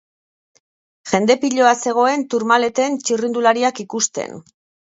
Jende piloa zegoen Tourmaleten txirrindulariak ikusten.